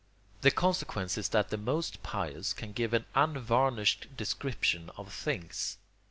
The consequence is that the most pious can give an unvarnished description of things.